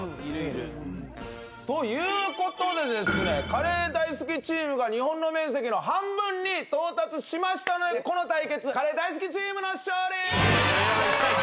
カレー大好きチームが日本の面積の半分に到達しましたのでこの対決カレー大好きチームの勝利！